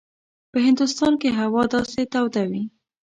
په هندوستان کې هوا داسې توده وي.